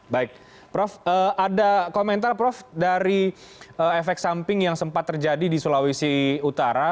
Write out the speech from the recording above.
baik prof ada komentar prof dari efek samping yang sempat terjadi di sulawesi utara